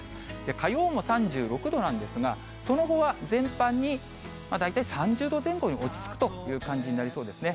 火曜も３６度なんですが、その後は全般に、大体３０度前後に落ち着くという感じになりそうですね。